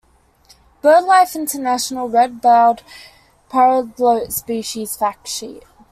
BirdLife International Red-browed Pardalote species fact sheet.